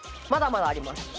まだまだあります。